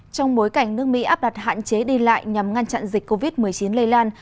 trong bối cảnh nước mỹ áp đặt hạn chế đi lại nhằm ngăn chặn dịch covid một mươi chín lây lan